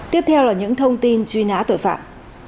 tiếp theo là những thông tin truy nã tội phạm